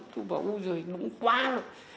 tôi bảo ôi giời nóng quá rồi